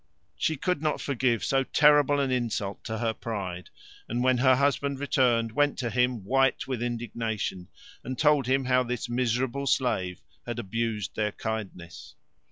She could not forgive so terrible an insult to her pride, and when her husband returned went to him, white with indignation, and told him how this miserable slave had abused their kindness.